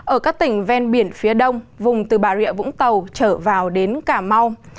ở các tỉnh ven biển phía đông vùng từ bà rịa vũng tàu trở vào đến cà mau